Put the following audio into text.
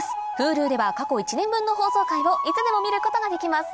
Ｈｕｌｕでは過去１年分の放送回をいつでも見ることができます